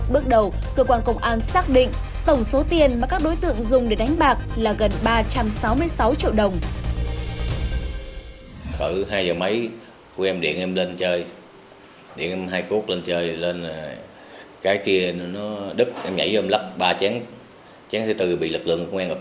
bước đầu cơ quan công an xác định tổng số tiền mà các đối tượng dùng để đánh bạc là gần ba trăm sáu mươi sáu triệu đồng